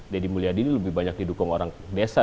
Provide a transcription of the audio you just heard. deddy mulyadi ini lebih banyak didukung orang desa